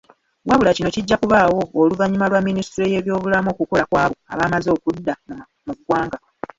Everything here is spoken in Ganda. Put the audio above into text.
Wabula kino kijja kubaawo oluvannyuma lwa minisitule y'ebyobulamu okukola kw'abo abaamaze okudda mu ggwanga.